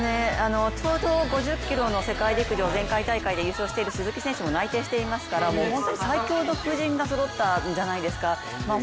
ちょうど５０ｋｍの世界陸上で優勝している鈴木選手も内定していますからもう本当に最強の布陣がそろったんじゃないですか。